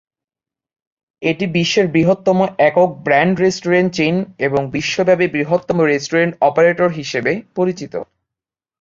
এটি বিশ্বের বৃহত্তম একক ব্র্যান্ড রেস্টুরেন্ট চেইন এবং বিশ্বব্যাপী বৃহত্তম রেস্টুরেন্ট অপারেটর হিসেবে পরিচিত।